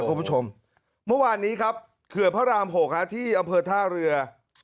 คุณผู้ชมเมื่อวานนี้ครับเขื่อนพระราม๖ที่อำเภอท่าเรือ